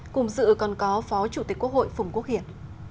cùng dự còn có phó chủ tịch quốc hội phùng quốc hiển